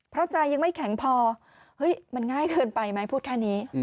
เพราะใจยังไม่แข็งพอเฮ้ยมันง่ายเกินไปไหมพูดแค่นี้